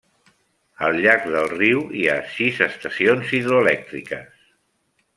Al llarg del riu hi ha sis estacions hidroelèctriques.